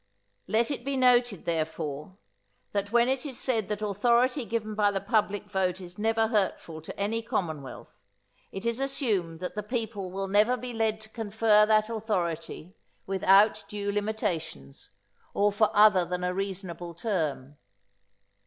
Let it be noted, therefore, that when it is said that authority given by the public vote is never hurtful to any commonwealth, it is assumed that the people will never be led to confer that authority without due limitations, or for other than a reasonable term.